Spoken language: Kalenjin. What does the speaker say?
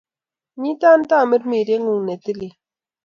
Nyita tamirmiriet ng'ung' ne tilil.